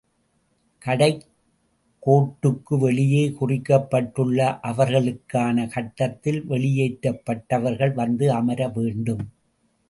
கடைக்கோட்டுக்கு வெளியே குறிக்கப்பட்டுள்ள அவர்களுக்கான கட்டத்தில் வெளியேற்றப் பட்டவர்கள் வந்து அமர வேண்டும்.